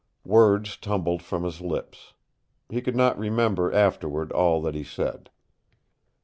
Words tumbled from his lips. He could not remember afterward all that he said.